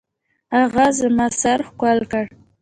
هغه زما سر ښكل كړ.